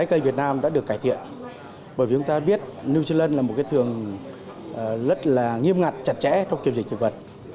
nông nghiệp việt nam đã được cải thiện bởi vì chúng ta biết new zealand là một thị trường rất nghiêm ngặt chặt chẽ trong kiểm dịch thực vật